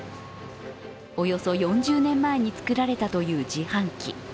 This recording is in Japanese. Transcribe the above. およそ４０年前に作られたという自販機。